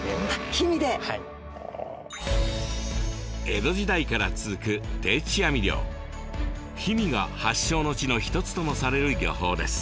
江戸時代から続く氷見が発祥の地の一つともされる漁法です。